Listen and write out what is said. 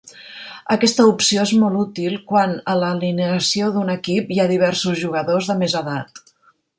Aquesta opció és molt útil quan a l'alineació d'un equip hi ha diversos jugadors de més edat.